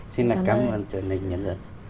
xin cảm ơn truyền hình nhân dân